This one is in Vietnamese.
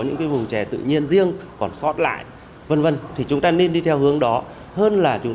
những cái vùng chè tự nhiên riêng còn sót lại v v thì chúng ta nên đi theo hướng đó hơn là chúng